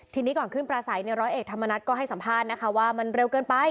ทีนี้ก่อนขึ้นประสัยร้อยเอกธรรมนัฐก็ให้สัมภาษณ์นะคะว่ามันเร็วเกินไป